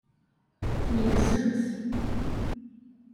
Tneggzemt.